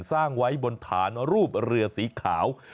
สร้างไว้บนฐานรูปเรือสีขาว